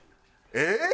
えっ？